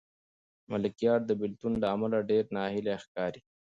ملکیار د بېلتون له امله ډېر ناهیلی ښکاري.